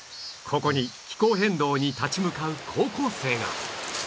ここに気候変動に立ち向かう高校生が